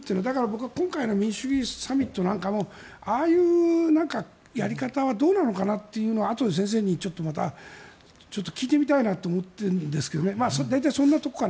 僕は今回の民主主義サミットなんかもああいうやり方はどうなのかなというのはあとで先生に聞いてみたいなと思ってるんですよね。